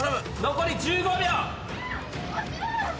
残り１５秒。